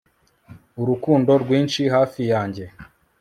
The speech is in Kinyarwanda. urukundo rwinshi hafi yanjye